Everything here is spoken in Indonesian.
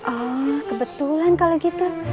oh kebetulan kalau gitu